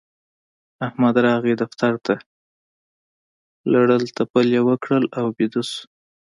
احمد راغی دفتر ته؛ لړل تپل يې وکړل او ويده شو.